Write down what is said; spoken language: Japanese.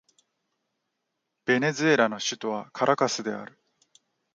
ベネズエラの首都はカラカスである